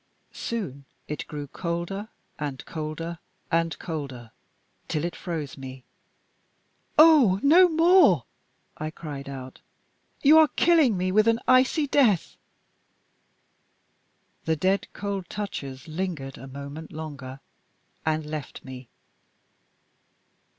Soon it grew colder, and colder, and colder, till it froze me. "Oh, no more!" I cried out. "You are killing me with an icy death!" The dead cold touches lingered a moment longer and left me.